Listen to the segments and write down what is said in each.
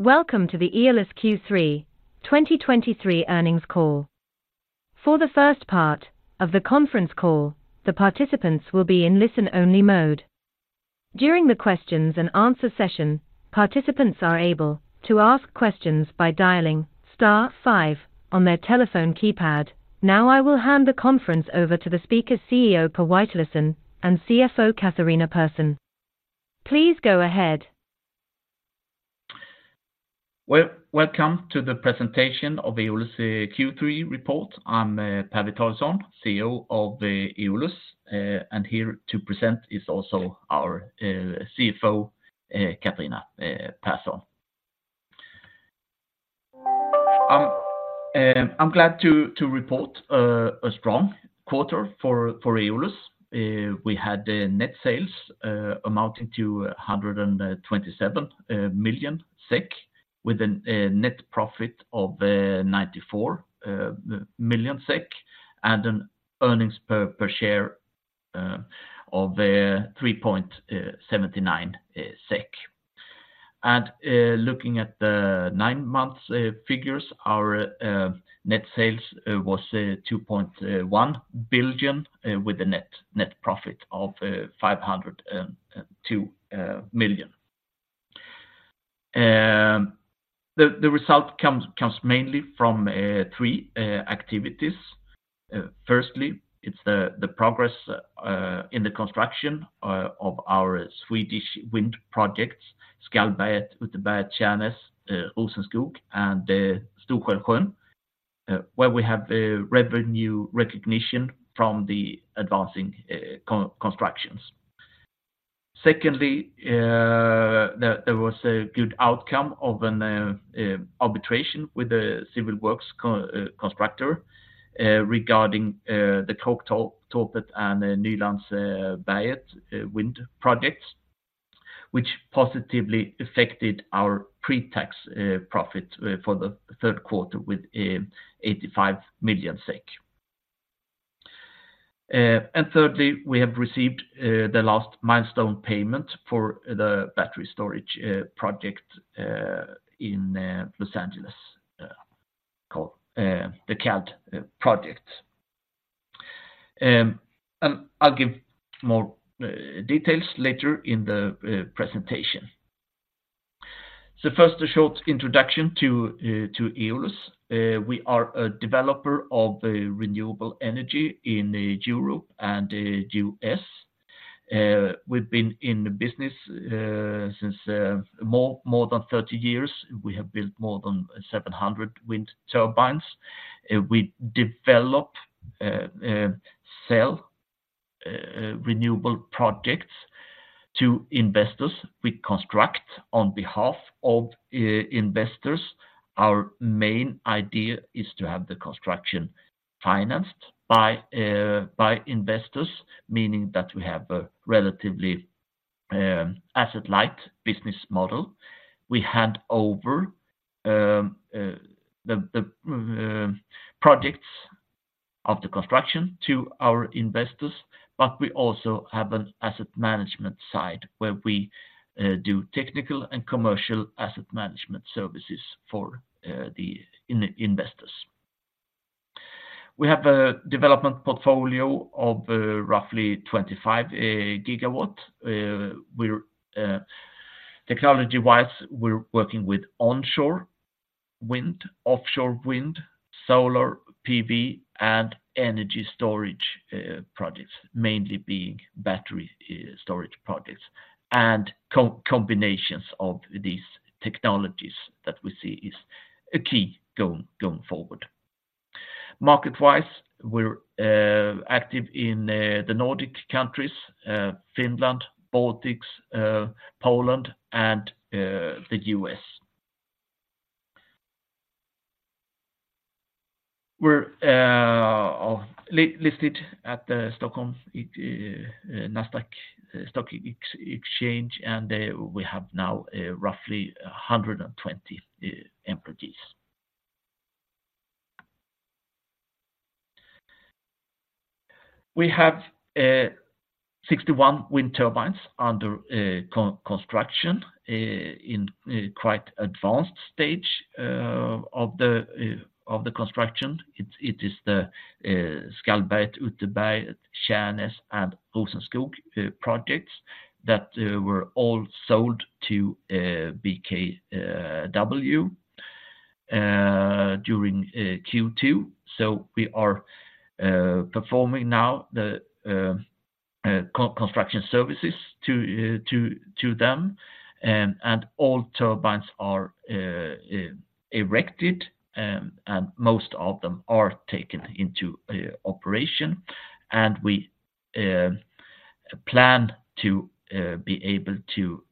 Welcome to the Eolus Q3 2023 earnings call. For the first part of the conference call, the participants will be in listen-only mode. During the questions and answer session, participants are able to ask questions by dialing star five on their telephone keypad. Now, I will hand the conference over to the speaker, CEO Per Witalisson, and CFO Catharina Persson. Please go ahead. Well, welcome to the presentation of Eolus Q3 report. I'm Per Witalisson, CEO of the Eolus, and here to present is also our CFO, Catharina Persson. I'm glad to report a strong quarter for Eolus. We had the net sales amounting to 127 million SEK, with a net profit of 94 million SEK, and an earnings per share of 3.79 SEK. Looking at the nine months figures, our net sales was 2.1 billion, with a net profit of 502 million. The result comes mainly from three activities. Firstly, it's the progress in the construction of our Swedish wind projects, Skalberget, Utterberget, Tjärnäs, Rosenskog, and the Storsjöån, where we have a revenue recognition from the advancing constructions. Secondly, there was a good outcome of an arbitration with the civil works constructor regarding the Kråktorpet and Nylandsbergen wind projects, which positively affected our pre-tax profit for the third quarter with 85 million SEK. And thirdly, we have received the last milestone payment for the battery storage project in Los Angeles called the Cald project. And I'll give more details later in the presentation. So first, a short introduction to Eolus. We are a developer of the renewable energy in Europe and the U.S. We've been in the business since more than 30 years. We have built more than 700 wind turbines. We develop sell renewable projects to investors. We construct on behalf of investors. Our main idea is to have the construction financed by investors, meaning that we have a relatively asset-light business model. We hand over the projects of the construction to our investors, but we also have an asset management side, where we do technical and commercial asset management services for the investors. We have a development portfolio of roughly 25 GW. We're technology-wise working with onshore wind, offshore wind, solar PV, and energy storage projects, mainly being battery storage projects, and combinations of these technologies that we see is a key going forward. Market-wise, we're active in the Nordic countries, Finland, Baltics, Poland, and the U.S. We're listed at the Stockholm Nasdaq Stock Exchange, and we have now roughly 120 employees. We have 61 wind turbines under construction in quite advanced stage of the construction. It is the Skalberget, Utterberget, Tjärnäs, and Rosenskog projects that were all sold to BKW during Q2. So we are performing now the construction services to them, and all turbines are erected, and most of them are taken into operation, and we plan to be able to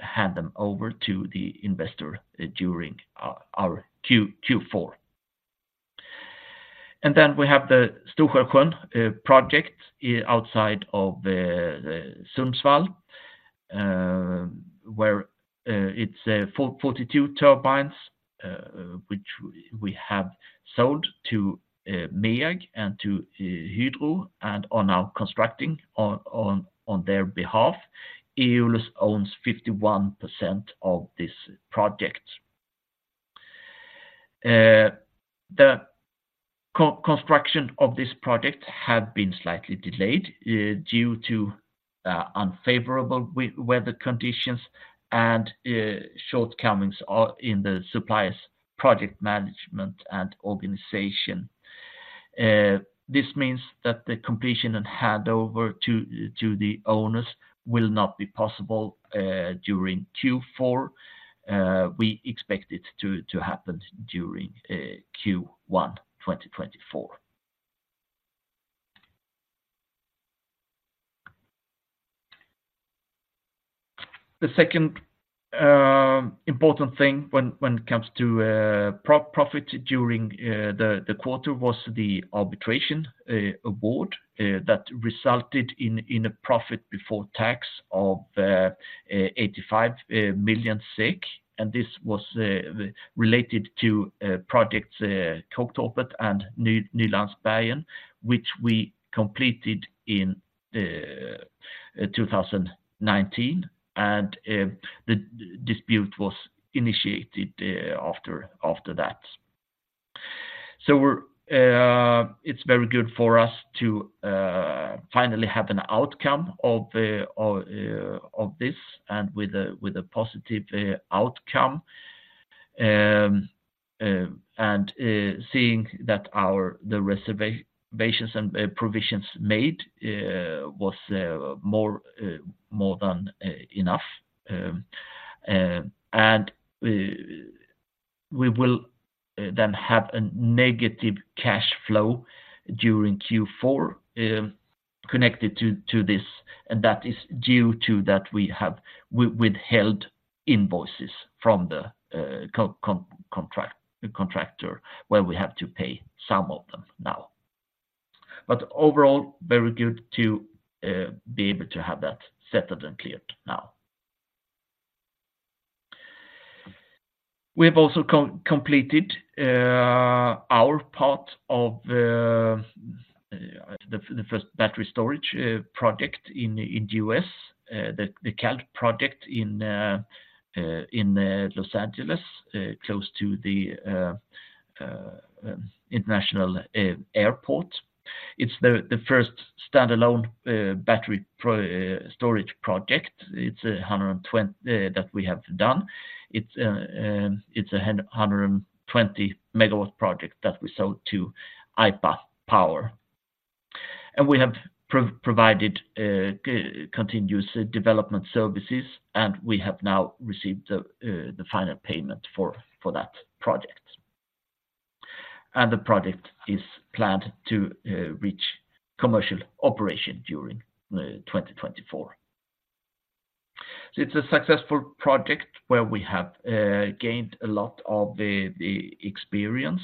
hand them over to the investor during our Q4. And then we have the Storsjöån project outside of Sundsvall, where it's 42 turbines which we have sold to MEAG and to Hydro, and are now constructing on their behalf. Eolus owns 51% of this project. The construction of this project have been slightly delayed due to unfavorable weather conditions and shortcomings in the suppliers' project management and organization. This means that the completion and handover to the owners will not be possible during Q4. We expect it to happen during Q1 2024. The second important thing when it comes to profit during the quarter was the arbitration award that resulted in a profit before tax of 85 million SEK, and this was related to projects Kråktorpet and Nylandsbergen, which we completed in 2019. The dispute was initiated after that. So it's very good for us to finally have an outcome of this, and with a positive outcome. And seeing that our reservations and provisions made was more than enough and we will then have a negative cash flow during Q4 connected to this, and that is due to that we have withheld invoices from the contractor, where we have to pay some of them now. But overall, very good to be able to have that settled and cleared now. We have also completed our part of the first battery storage project in the U.S., the Cald project in Los Angeles close to the international airport. It's the first standalone battery storage project. It's 120 that we have done. It's a 100-MW project that we sold to Aypa Power. We have provided continuous development services, and we have now received the final payment for that project. The project is planned to reach commercial operation during 2024. So it's a successful project where we have gained a lot of the experience.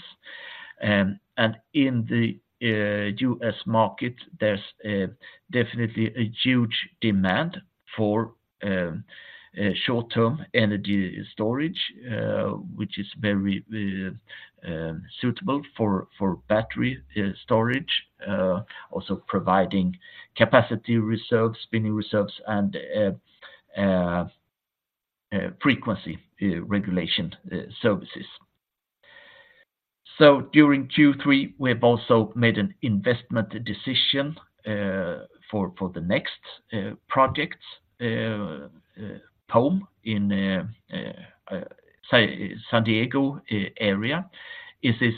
And in the U.S. market, there's definitely a huge demand for short-term energy storage, which is very suitable for battery storage, also providing capacity reserves, spinning reserves, and frequency regulation services. So during Q3, we have also made an investment decision for the next projects, Home, in the San Diego area. It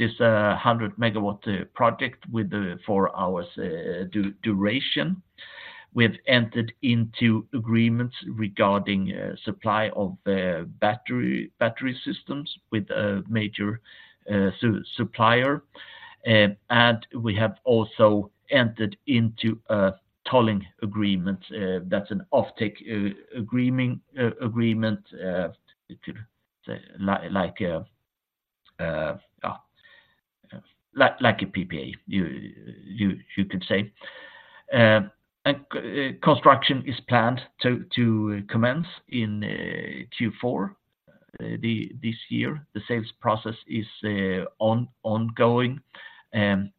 is a 100-MW project with four hours duration. We've entered into agreements regarding supply of battery systems with a major supplier. And we have also entered into a tolling agreement, that's an offtake agreement to say, like, like a PPA, you could say. And construction is planned to commence in Q4 this year. The sales process is ongoing, and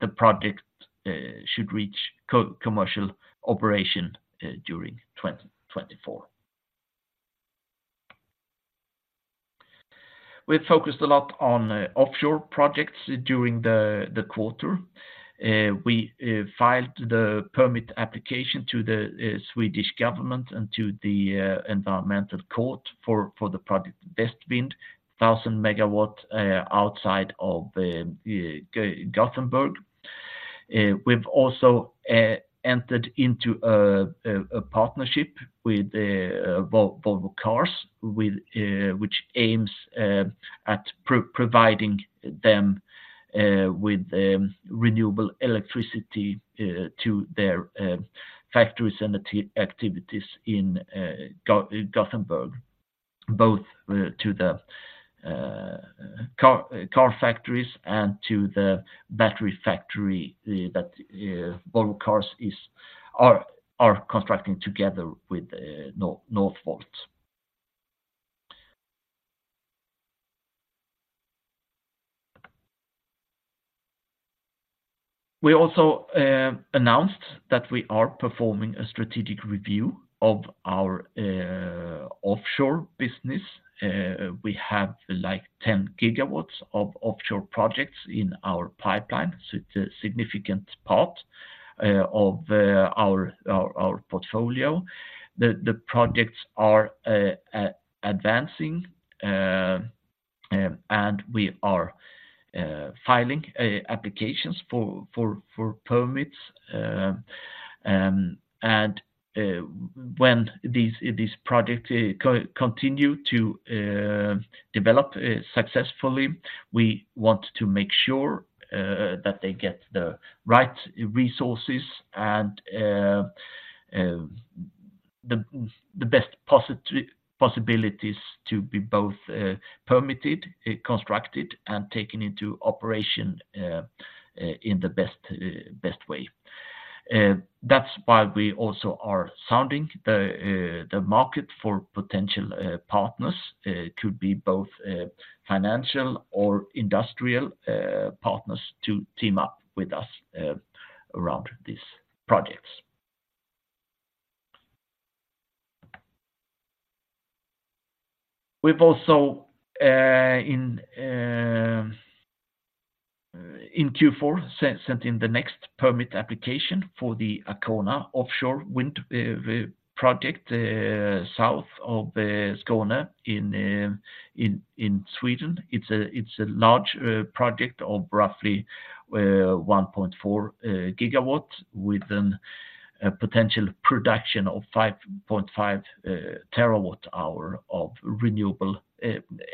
the project should reach commercial operation during 2024. We've focused a lot on offshore projects during the quarter. We filed the permit application to the Swedish government and to the environmental court for the project Västvind, 1,000-MW, outside of Gothenburg. We've also entered into a partnership with Volvo Cars, which aims at providing them with renewable electricity to their factories and activities in Gothenburg, both to the car factories and to the battery factory that Volvo Cars are constructing together with Northvolt. We also announced that we are performing a strategic review of our offshore business. We have like 10 GW of offshore projects in our pipeline, so it's a significant part of our portfolio. The projects are advancing, and we are filing applications for permits. When these projects continue to develop successfully, we want to make sure that they get the right resources and the best possibilities to be both permitted, constructed, and taken into operation in the best way. That's why we also are sounding the market for potential partners. It could be both financial or industrial partners to team up with us around these projects. We've also in Q4 sent in the next permit application for the Arkona offshore wind project south of Skåne in Sweden. It's a large project of roughly 1.4 GW, with a potential production of 5.5 TWh of renewable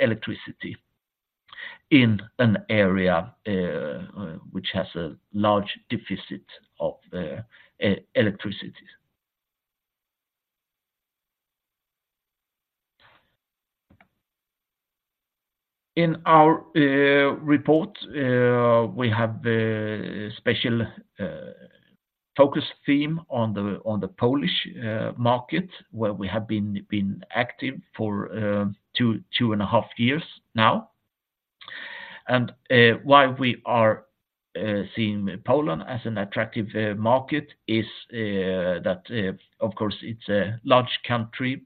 electricity in an area which has a large deficit of electricity. In our report, we have a special focus theme on the Polish market, where we have been active for 2.5 years now. Why we are seeing Poland as an attractive market is that of course it's a large country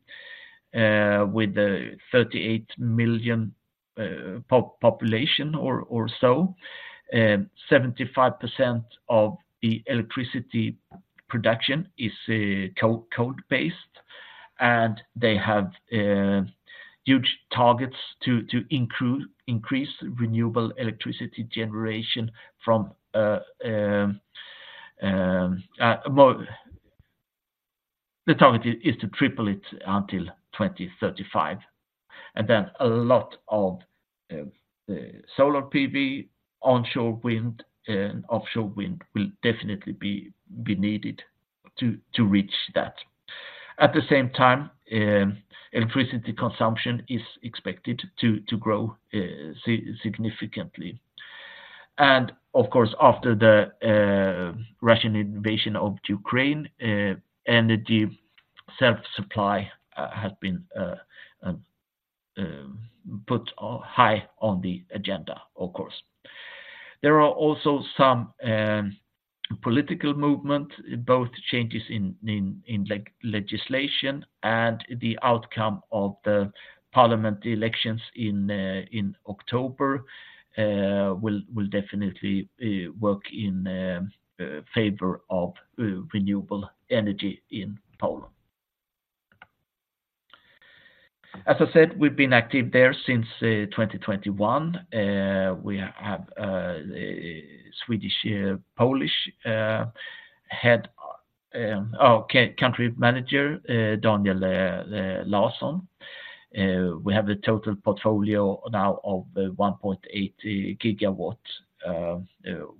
with a 38 million population or so. 75% of the electricity production is coal-based, and they have huge targets to increase renewable electricity generation from... More, the target is to triple it until 2035. And then a lot of solar PV, onshore wind, and offshore wind will definitely be needed to reach that. At the same time, electricity consumption is expected to grow significantly. And of course, after the Russian invasion of Ukraine, energy self-supply has been put high on the agenda, of course. There are also some political movement, both changes in legislation and the outcome of the parliament elections in October will definitely work in favor of renewable energy in Poland. As I said, we've been active there since 2021. We have a Swedish Polish country manager, Daniel Larsson. We have a total portfolio now of 1.8 GW,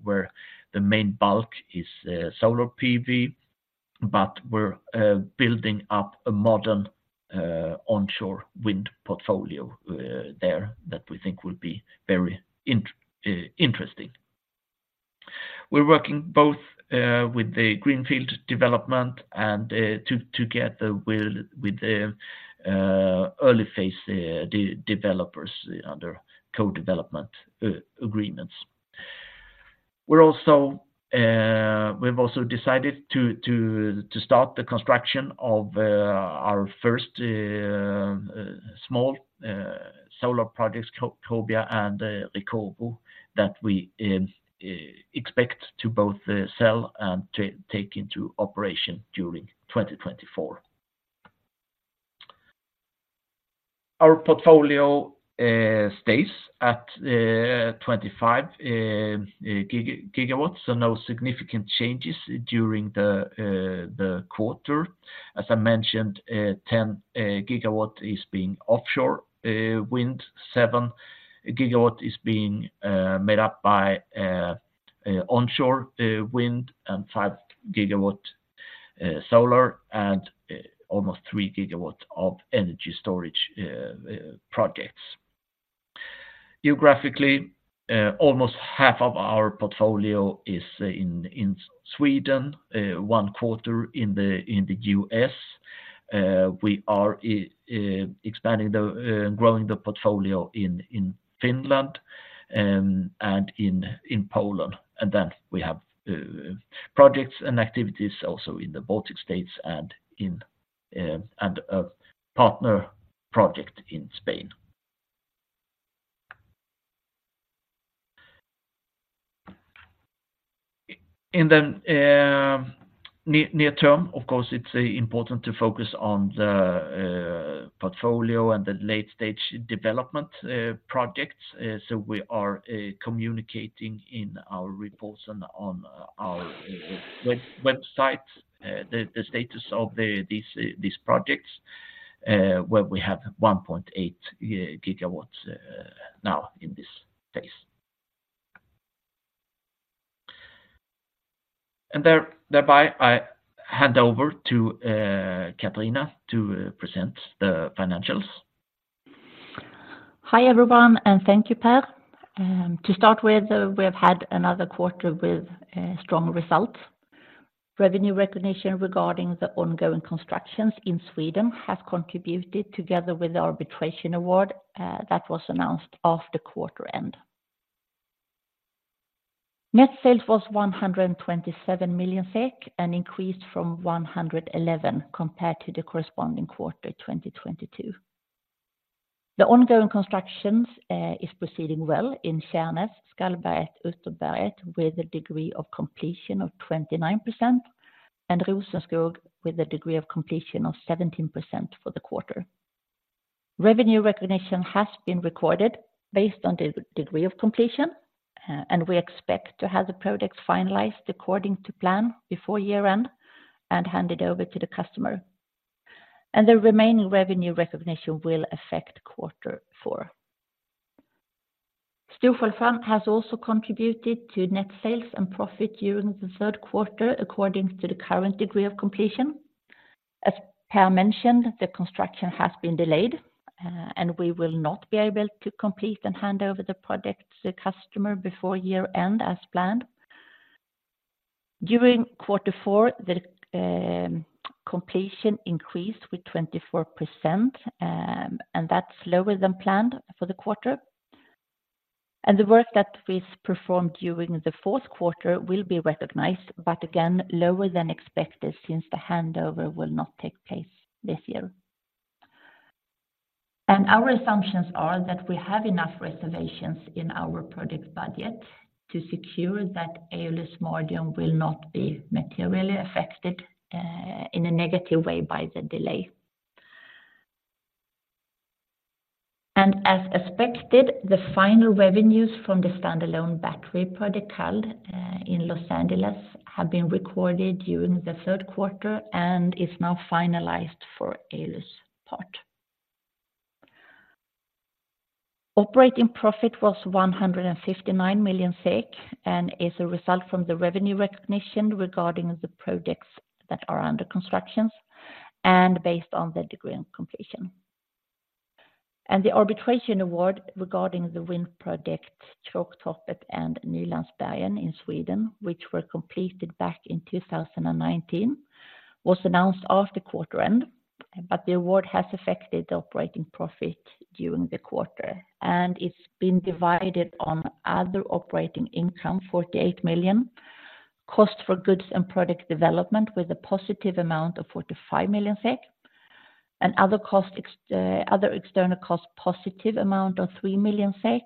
where the main bulk is solar PV, but we're building up a modern onshore wind portfolio there that we think will be very interesting. We're working both with the greenfield development and together with the early phase developers under co-development agreements. We're also, we've also decided to start the construction of our first small solar projects, Krobia and Rekowo, that we expect to both sell and to take into operation during 2024. Our portfolio stays at 25 GW, so no significant changes during the quarter. As I mentioned, 10 GW is offshore wind. 7 GW is being made up by onshore wind, and 5 GW solar, and almost 3 GW of energy storage projects. Geographically, almost half of our portfolio is in Sweden, one quarter in the U.S. We are expanding, growing the portfolio in Finland and in Poland. And then we have projects and activities also in the Baltic States and a partner project in Spain. In the near term, of course, it's important to focus on the portfolio and the late-stage development projects. So we are communicating in our reports and on our website the status of these projects where we have 1.8 GW now in this phase. Thereby, I hand over to Catharina to present the financials. Hi, everyone, and thank you, Per. To start with, we have had another quarter with strong results. Revenue recognition regarding the ongoing constructions in Sweden have contributed, together with the arbitration award that was announced after quarter end. Net sales was 127 million SEK, an increase from 111 million SEK compared to the corresponding quarter, 2022. The ongoing constructions is proceeding well in Tjärnäs, Skalberget, Utterberget, with a degree of completion of 29%, and Rosenskog, with a degree of completion of 17% for the quarter. Revenue recognition has been recorded based on the degree of completion, and we expect to have the products finalized according to plan before year-end, and hand it over to the customer. The remaining revenue recognition will affect quarter four. Storsjöån has also contributed to net sales and profit during the third quarter, according to the current degree of completion. As Per mentioned, the construction has been delayed, and we will not be able to complete and hand over the project to the customer before year-end, as planned. During quarter four, the completion increased with 24%, and that's lower than planned for the quarter. And the work that is performed during the fourth quarter will be recognized, but again, lower than expected, since the handover will not take place this year. And our assumptions are that we have enough reservations in our project budget to secure that Eolus' standing will not be materially affected, in a negative way by the delay. As expected, the final revenues from the standalone battery project, called in Los Angeles, have been recorded during the third quarter and is now finalized for Eolus' part. Operating profit was 159 million SEK, and is a result from the revenue recognition regarding the projects that are under constructions, and based on the degree of completion. The arbitration award regarding the wind project, Kråktorpet and Nylandsbergen in Sweden, which were completed back in 2019, was announced after quarter end, but the award has affected the operating profit during the quarter, and it's been divided on other operating income, 48 million, cost for goods and product development with a positive amount of 45 million SEK, and other costs, other external costs, positive amount of 3 million SEK,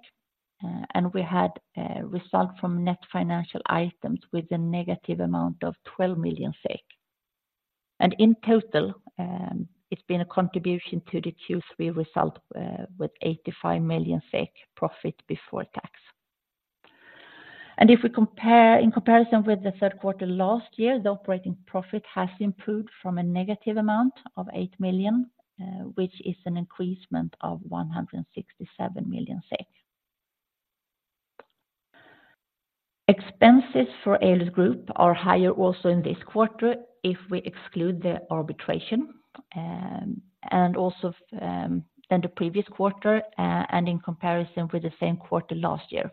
and we had a result from net financial items with a negative amount of 12 million SEK. And in total, it's been a contribution to the Q3 result, with 85 million profit before tax. If we compare in comparison with the third quarter last year, the operating profit has improved from a negative amount of 8 million, which is an increment of 167 million SEK. Expenses for Eolus Group are higher also in this quarter if we exclude the arbitration, and also than the previous quarter, and in comparison with the same quarter last year.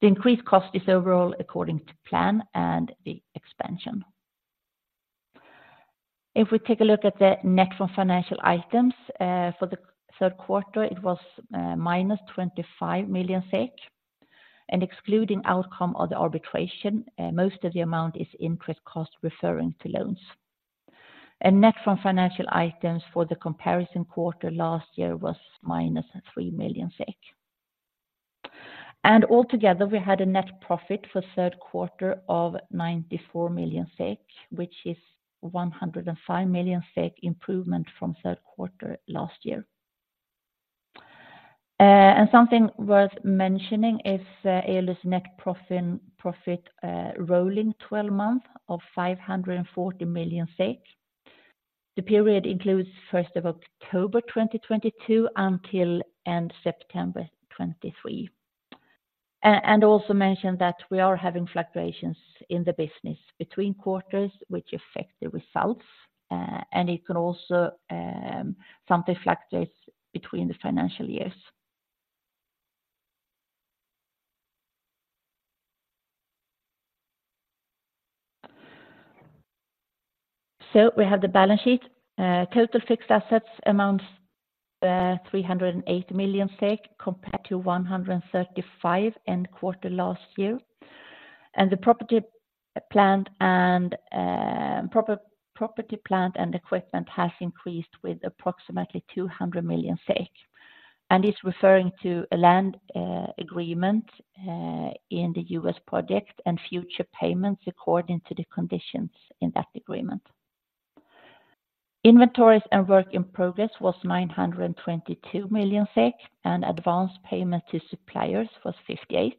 The increased cost is overall according to plan and the expansion. If we take a look at the net from financial items for the third quarter, it was minus 25 million SEK, and excluding outcome of the arbitration, most of the amount is interest cost referring to loans. A net from financial items for the comparison quarter last year was minus 3 million SEK. Altogether, we had a net profit for third quarter of 94 million SEK, which is 105 million SEK improvement from third quarter last year. Something worth mentioning is Eolus' net profit rolling twelve months of 540 million SEK. The period includes first of October 2022, until end September 2023. And also mention that we are having fluctuations in the business between quarters, which affect the results, and it can also sometimes fluctuate between the financial years. So we have the balance sheet. Total fixed assets amounts 308 million SEK, compared to 135 million end quarter last year. The property, plant, and equipment has increased with approximately 200 million SEK, and it's referring to a land agreement in the US project and future payments according to the conditions in that agreement. Inventories and work in progress was 922 million SEK, and advanced payment to suppliers was 58 million.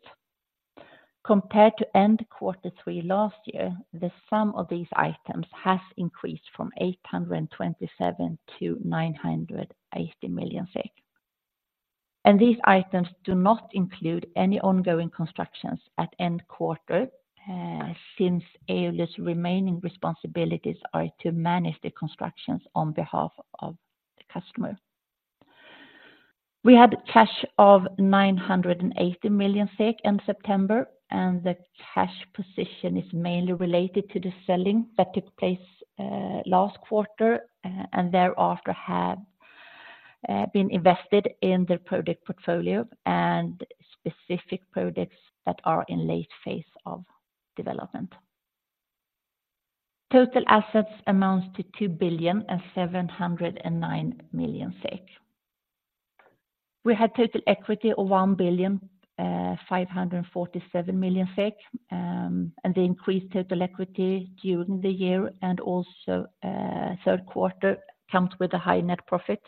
Compared to end quarter three last year, the sum of these items has increased from 827 million-980 million SEK. These items do not include any ongoing constructions at end quarter, since Eolus' remaining responsibilities are to manage the constructions on behalf of the customer. We had cash of 980 million SEK in September, and the cash position is mainly related to the selling that took place last quarter, and thereafter have been invested in the project portfolio and specific projects that are in late phase of development. Total assets amounts to 2.709 billion. We had total equity of 1.547 billion, and the increased total equity during the year, and also third quarter comes with a high net profit.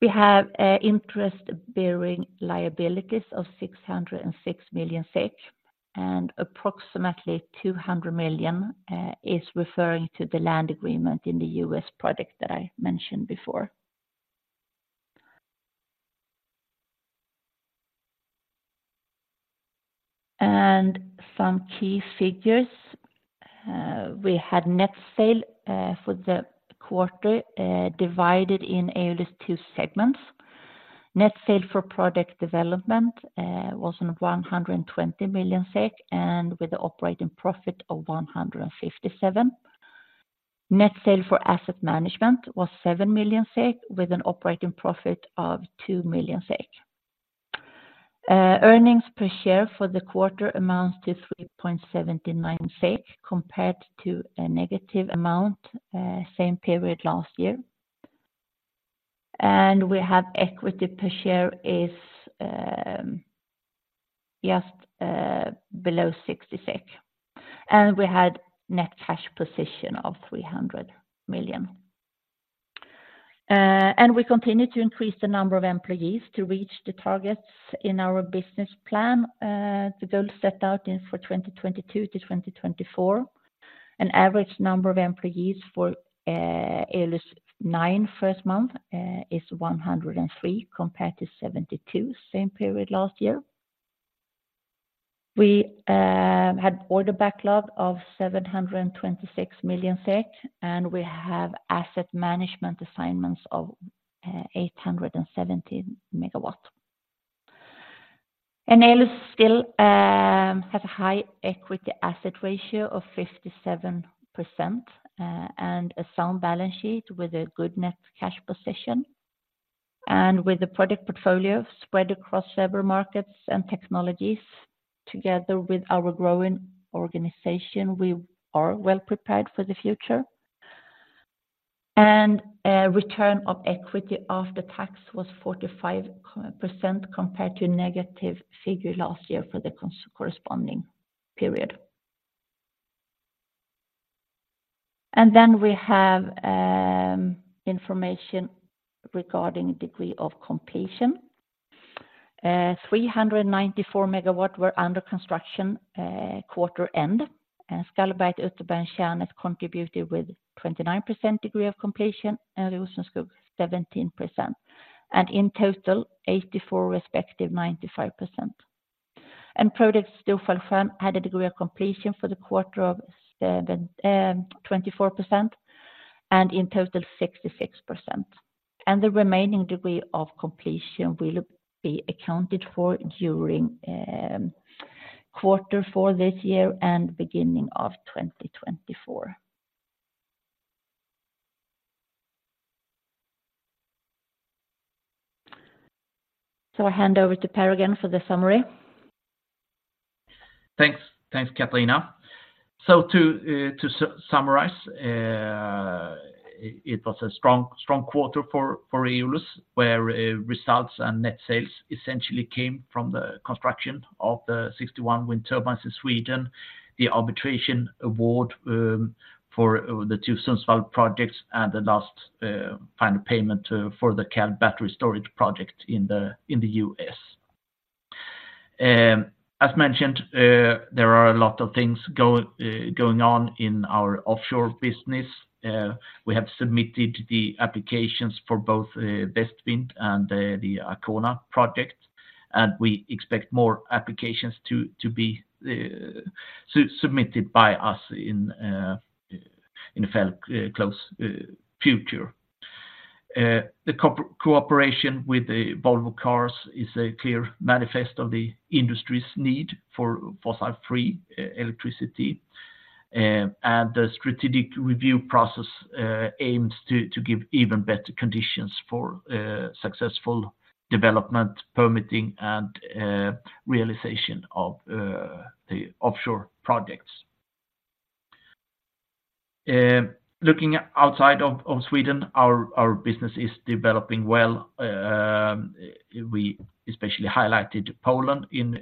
We have interest-bearing liabilities of 606 million SEK, and approximately 200 million is referring to the land agreement in the U.S. project that I mentioned before. Some key figures, we had net sale for the quarter divided in Eolus' two segments. Net sale for project development was 120 million SEK, and with the operating profit of 157. Net sale for asset management was 7 million SEK, with an operating profit of 2 million SEK. Earnings per share for the quarter amounts to 3.79 SEK, compared to a negative amount, same period last year. We have equity per share is just below 60 SEK, and we had net cash position of 300 million. And we continue to increase the number of employees to reach the targets in our business plan, the goals set out in for 2022 to 2024. An average number of employees for Eolus nine first month is 103, compared to 72, same period last year. We had order backlog of 726 million SEK, and we have asset management assignments of 870 MW. Eolus still have a high equity asset ratio of 57%, and a sound balance sheet with a good net cash position. With the project portfolio spread across several markets and technologies, together with our growing organization, we are well prepared for the future. Return of equity after tax was 45%, compared to negative figure last year for the corresponding period. Then we have information regarding degree of completion. 394 MW were under construction quarter end, and Skalberget, Utterberget, Tjärnäs contributed with 29% degree of completion, and Rosenskog, 17%, and in total, 84% respective 95%. Project Storsjöån had a degree of completion for the quarter of 7%-24%, and in total, 66%. The remaining degree of completion will be accounted for during quarter four this year and beginning of 2024. So I hand over to Per again for the summary. Thanks. Thanks, Catharina. So to summarize, it was a strong, strong quarter for Eolus, where results and net sales essentially came from the construction of the 61 wind turbines in Sweden, the arbitration award for the two Sundsvall projects, and the last final payment for the Cald battery storage project in the U.S. As mentioned, there are a lot of things going on in our offshore business. We have submitted the applications for both Västvind and the Arkona project. And we expect more applications to be submitted by us in the very close future. The cooperation with Volvo Cars is a clear manifestation of the industry's need for fossil-free electricity. And the strategic review process aims to give even better conditions for successful development, permitting, and realization of the offshore projects. Looking outside of Sweden, our business is developing well. We especially highlighted Poland in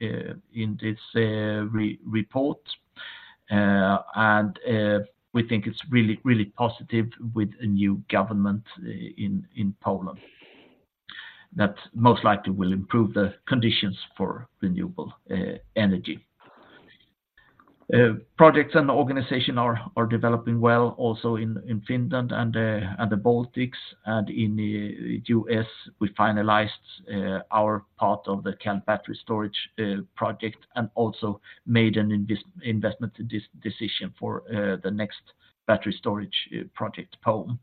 this report. We think it's really, really positive with a new government in Poland that most likely will improve the conditions for renewable energy projects and organization are developing well also in Finland and the Baltics. In the U.S., we finalized our part of the Cald battery storage project, and also made an investment decision for the next battery storage project, Poland.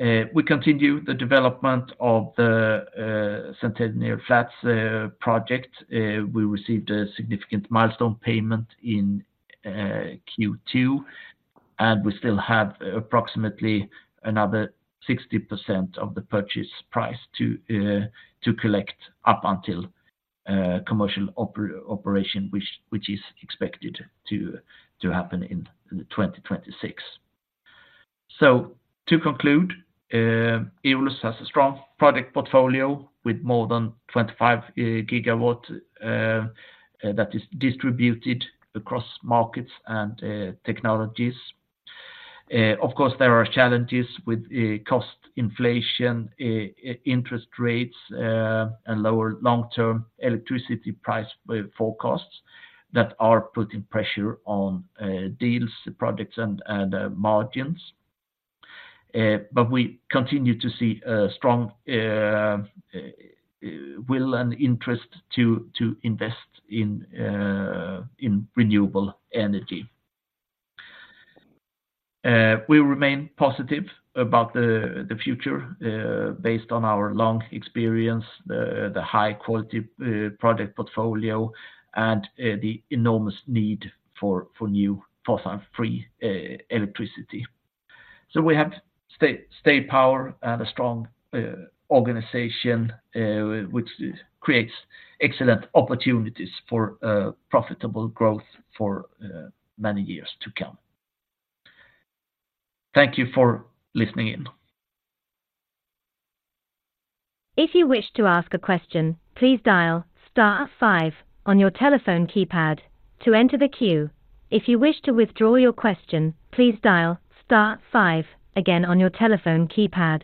We continue the development of the Centenary Flats project. We received a significant milestone payment in Q2, and we still have approximately another 60% of the purchase price to collect up until commercial operation, which is expected to happen in 2026. So to conclude, Eolus has a strong project portfolio with more than 25 GW that is distributed across markets and technologies. Of course, there are challenges with cost inflation, interest rates, and lower long-term electricity price forecasts that are putting pressure on deals, projects, and margins. But we continue to see a strong will and interest to invest in renewable energy. We remain positive about the future, based on our long experience, the high-quality project portfolio, and the enormous need for new fossil-free electricity. So we have staying power and a strong organization, which creates excellent opportunities for profitable growth for many years to come. Thank you for listening in. If you wish to ask a question, please dial star five on your telephone keypad to enter the queue. If you wish to withdraw your question, please dial star five again on your telephone keypad.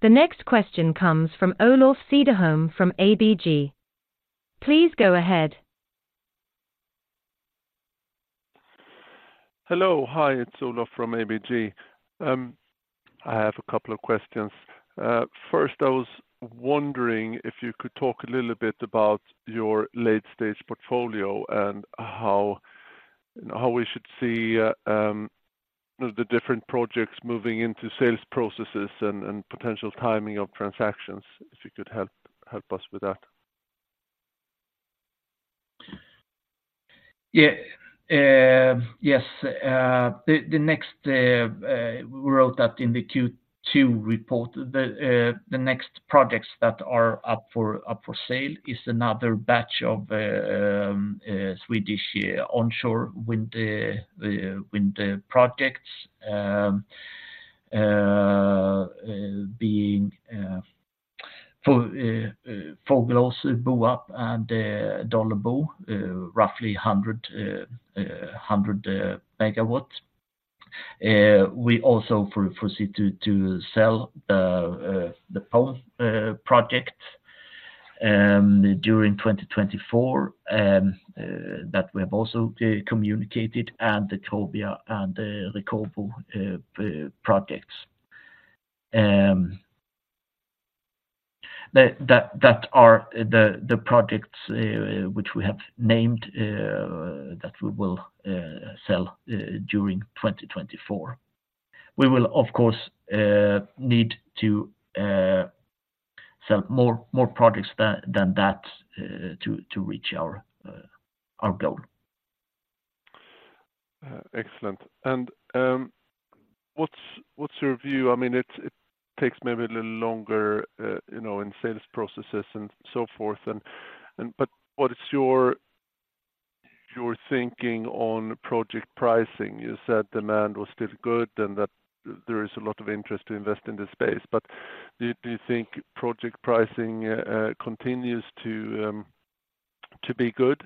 The next question comes from Olof Cederholm from ABG. Please go ahead. Hello. Hi, it's Olof from ABG. I have a couple of questions. First, I was wondering if you could talk a little bit about your late-stage portfolio and how we should see the different projects moving into sales processes and potential timing of transactions, if you could help us with that. Yeah, yes, the next, we wrote that in the Q2 report, the next projects that are up for sale is another batch of Swedish onshore wind projects being Fågelås, Buarp, and Dollebo, roughly 100 MW. We also proceed to sell the Poland project during 2024 that we have also communicated, and the Krobia and the Rekowo projects. That are the projects which we have named that we will sell during 2024. We will, of course, need to sell more projects than that to reach our goal. Excellent. And, what's your view? I mean, it takes maybe a little longer, you know, in sales processes and so forth, and but what is your thinking on project pricing? You said demand was still good, and that there is a lot of interest to invest in this space. But do you think project pricing continues to be good,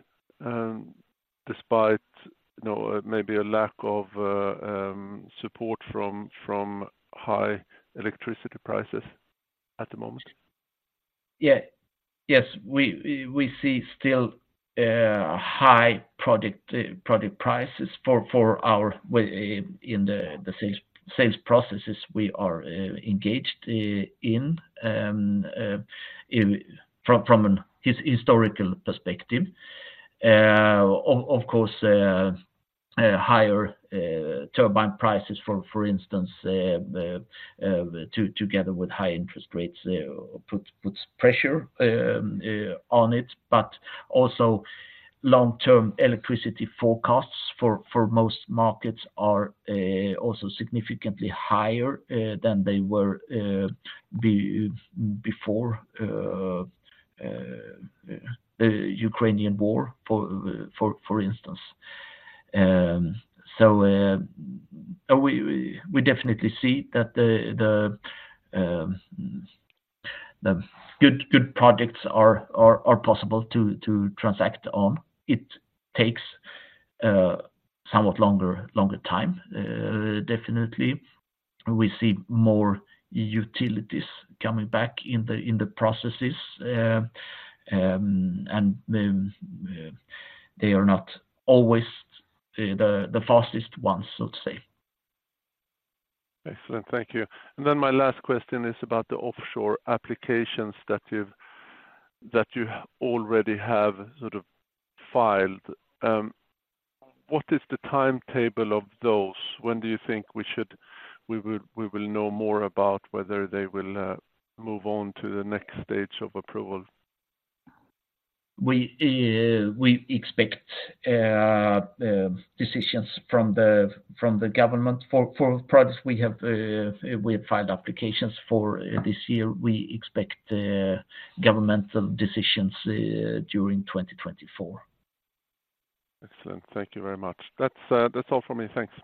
despite, you know, maybe a lack of support from high electricity prices at the moment?... Yeah. Yes, we see still high product prices for our way in the sales processes we are engaged in, from an historical perspective. Of course, higher turbine prices, for instance, together with high interest rates puts pressure on it, but also long-term electricity forecasts for most markets are also significantly higher than they were before the Ukrainian war, for instance. So, we definitely see that the good projects are possible to transact on. It takes somewhat longer time, definitely. We see more utilities coming back in the processes, and they are not always the fastest ones, so to say. Excellent. Thank you. My last question is about the offshore applications that you already have sort of filed. What is the timetable of those? When do you think we will know more about whether they will move on to the next stage of approval? We expect decisions from the government for projects we have filed applications for this year. We expect governmental decisions during 2024. Excellent. Thank you very much. That's, uh, that's all for me. Thanks.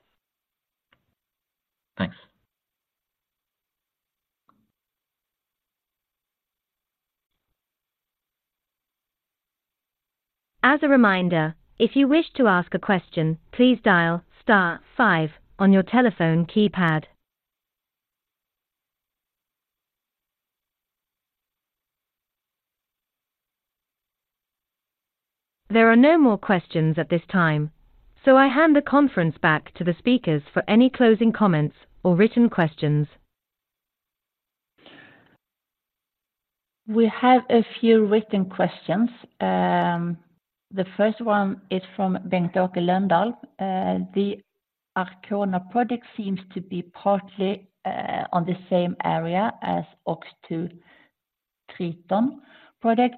Thanks. As a reminder, if you wish to ask a question, please dial star five on your telephone keypad. There are no more questions at this time, so I hand the conference back to the speakers for any closing comments or written questions. We have a few written questions. The first one is from [Ben Torquelandal]. The Arkona project seems to be partly on the same area as OX2 Triton project.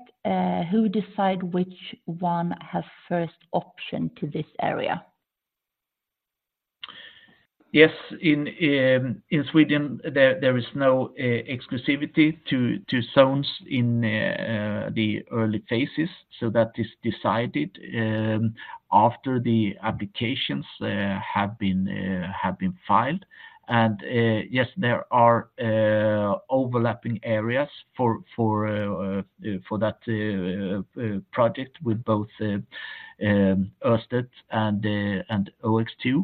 Who decide which one has first option to this area? Yes, in Sweden, there is no exclusivity to zones in the early phases, so that is decided after the applications have been filed. And yes, there are overlapping areas for that project with both Ørsted and OX2,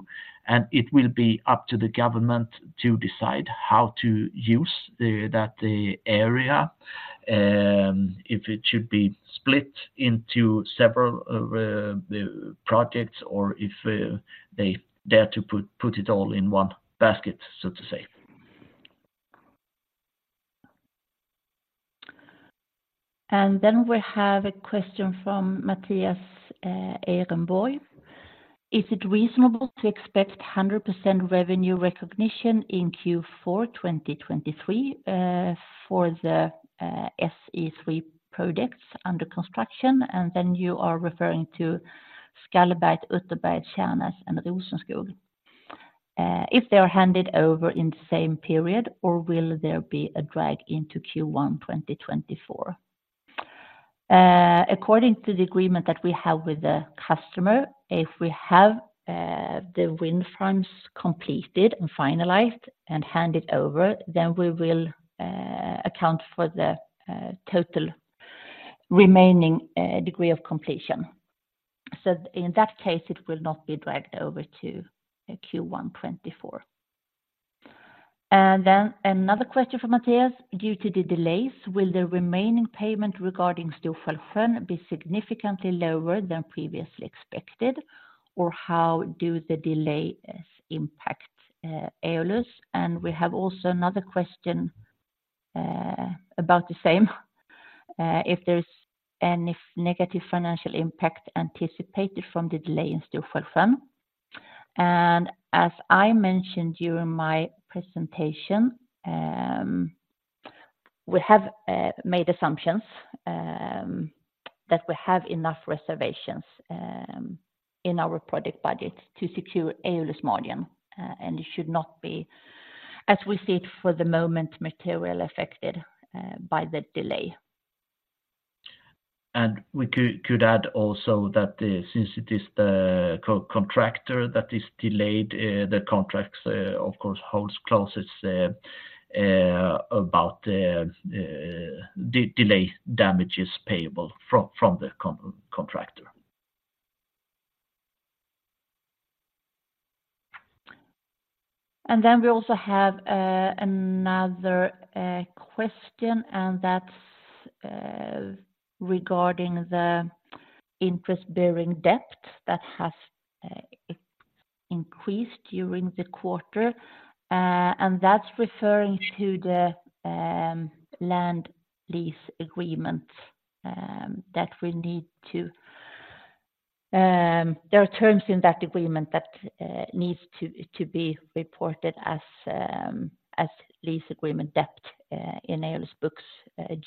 and it will be up to the government to decide how to use that area if it should be split into several projects or if they dare to put it all in one basket, so to say. And then we have a question from Mattias Ehrenborg. Is it reasonable to expect 100% revenue recognition in Q4 2023 for the SE3 projects under construction? And then you are referring to Skalberget, Utterberget, Tjärnäs, and Rosenskog. If they are handed over in the same period, or will there be a drag into Q1 2024? According to the agreement that we have with the customer, if we have the wind farms completed and finalized and handed over, then we will account for the total remaining degree of completion. So in that case, it will not be dragged over to Q1 2024. And then another question from Matthias: Due to the delays, will the remaining payment regarding Storsjöån be significantly lower than previously expected? Or how do the delays impact Eolus? We have also another question about the same. If there's any negative financial impact anticipated from the delay in Storsjöån. As I mentioned during my presentation, we have made assumptions that we have enough reservations in our project budget to secure Eolus margin, and it should not be, as we see it for the moment, materially affected by the delay. We could add also that since it is the contractor that is delayed, the contracts of course holds clauses about delay damages payable from the contractor.... Then we also have another question, and that's regarding the interest-bearing debt that has increased during the quarter. And that's referring to the land lease agreement that we need to, there are terms in that agreement that needs to be reported as lease agreement debt in Eolus's books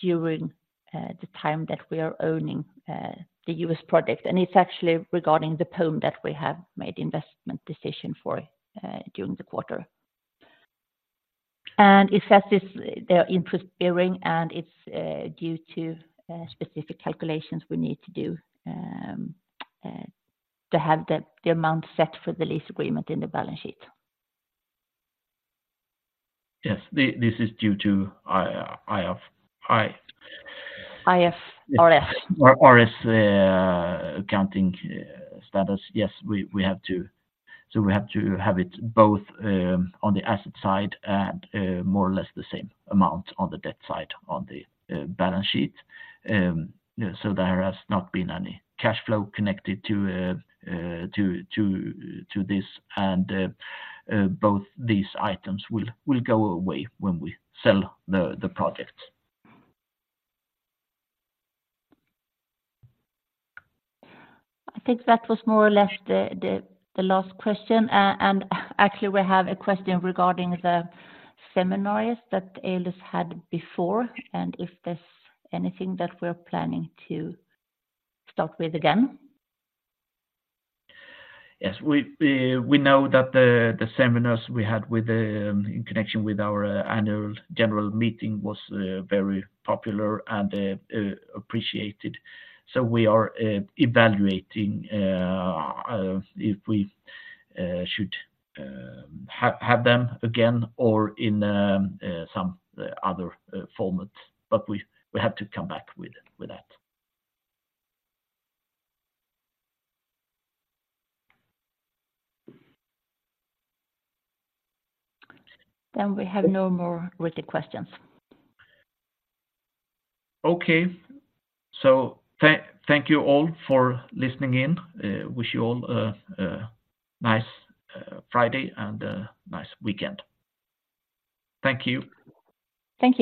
during the time that we are owning the U.S. project. And it's actually regarding the Home that we have made investment decision for during the quarter. And it says it's, they're interest-bearing, and it's due to specific calculations we need to do to have the amount set for the lease agreement in the balance sheet. Yes, this is due to IF. IFRS. IFRS accounting status. Yes, we have to—So we have to have it both on the asset side and more or less the same amount on the debt side, on the balance sheet. So there has not been any cash flow connected to this, and both these items will go away when we sell the project. I think that was more or less the last question. And actually, we have a question regarding the seminars that Eolus had before, and if there's anything that we're planning to start with again? Yes, we know that the seminars we had in connection with our annual general meeting was very popular and appreciated. So we are evaluating if we should have them again or in some other format, but we have to come back with that. We have no more questions. Okay. Thank you all for listening in. Wish you all a nice Friday, and nice weekend. Thank you. Thank you.